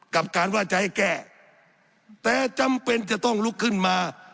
กับการว่าจะให้แก้แต่จำเป็นจะต้องลุกขึ้นมา